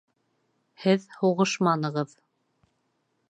Һеҙ һуғышманығыҙ.